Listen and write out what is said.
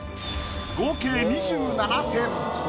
合計２７点。